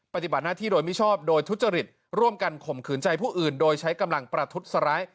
ปฏิบัติหน้าที่โดยมิชอบโดยทุจริตร่วมกันข่มขืนใจผู้อื่นโดยใช้กำลังประทุษร้าย